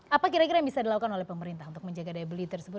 apa kira kira yang bisa dilakukan oleh pemerintah untuk menjaga daya beli tersebut